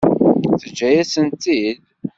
Teǧǧa-yasen-tent-id?